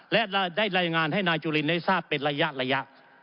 และได้รายงานให้นายจุลินได้ทราบเป็นระยะ